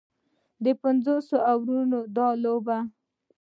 د پنځوسو اورونو دا لوبه